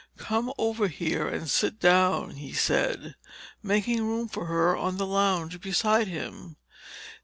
"Come over here and sit down," he said, making room for her on the lounge beside him.